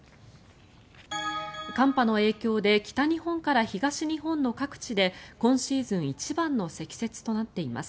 寒波の影響で北日本から東日本の各地で今シーズン一番の積雪となっています。